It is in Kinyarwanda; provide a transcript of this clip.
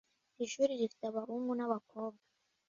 Iri shuri rifite abahungu nabakobwa